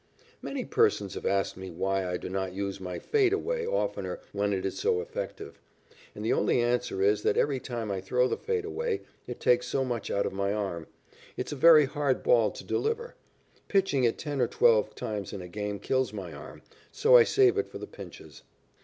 Many persons have asked me why I do not use my "fade away" oftener when it is so effective, and the only answer is that every time I throw the "fade away" it takes so much out of my arm. It is a very hard ball to deliver. Pitching it ten or twelve times in a game kills my arm, so I save it for the pinches.